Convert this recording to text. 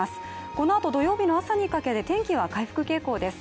このあと、土曜日の朝にかけて天気は回復傾向です。